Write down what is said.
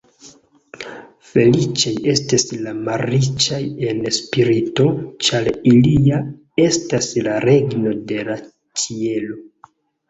Feliĉaj estas la malriĉaj en spirito, ĉar ilia estas la regno de la ĉielo.